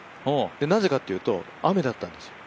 なぜかというと雨だったんです。